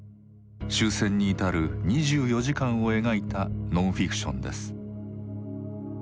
終戦に至る２４時間を描いたノンフィクションです。